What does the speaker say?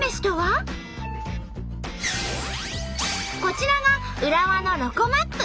こちらが浦和のロコＭＡＰ。